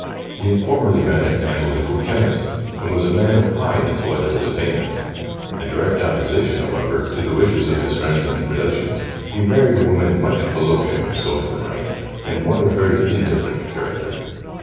He bad formerly been an analytical chemist, and was a man of high intellectual attainments. In direct opposition, however, to the wishes of his friends and relations, he married a woman much below him in social rank and one of very indifferent character.